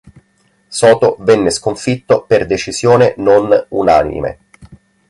Soto venne sconfitto per decisione non unanime.